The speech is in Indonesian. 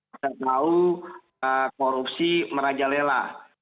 terhadap korupsi merajalela